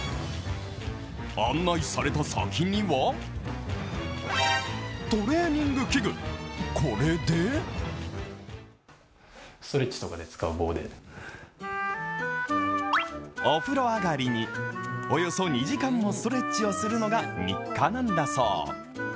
案内された先にはトレーニング器具、これでお風呂上がりに、およそ２時間のストレッチをするのが日課なんだそう。